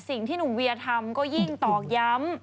สิ่งที่หนุ่มเวียทำก็ยิ่งตอกย้ำ